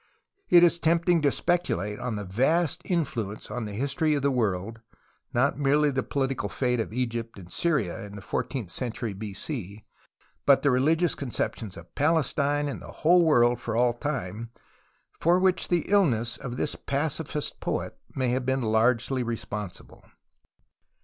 It is tempting to speculate on the vast influence on the history of the world, not merely the political fate of Egypt and Syria in the fourteenth century b.c, but the religious conceptions of Palestine and the whole world for all time, for which the illness of this pacifist poet may have been largely responsible.